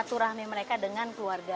mereka akan mengurangi mereka dengan keluarga